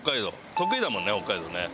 得意だもんね北海道ね。